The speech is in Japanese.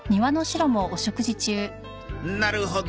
なるほど。